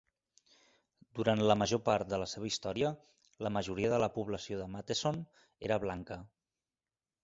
Durant la major part de la seva història, la majoria de la població de Matteson era blanca.